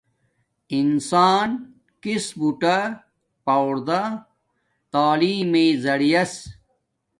انسان کس بوٹا پوݹردا تعلیم مݵݵ زریعس